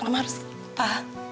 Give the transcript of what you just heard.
mama harus pa